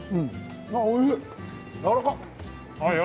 おいしい。